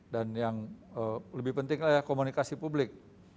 dan yang lebih penting adalah komunikasi publik